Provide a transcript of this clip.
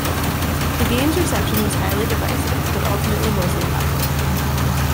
The game's reception was highly divisive, but ultimately mostly positive.